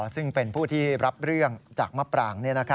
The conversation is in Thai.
ซึ่งเป็นผู้ที่รับเรื่องจากมะปราง